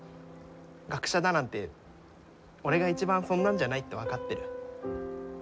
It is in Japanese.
学者だなんて俺が一番そんなんじゃないって分かってる。